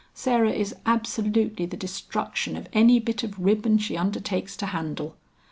Sarah is absolutely the destruction of any bit of ribbon she undertakes to handle.